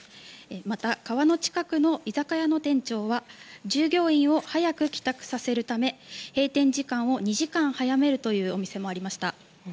また、川の近くの居酒屋の店長は従業員を早く帰宅させるため閉店時間を２時間早めるというお店もありました。